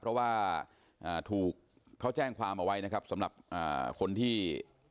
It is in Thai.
เพราะว่าถูกเขาแจ้งความเอาไว้นะครับสำหรับคนที่